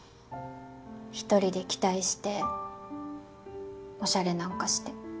１人で期待しておしゃれなんかして。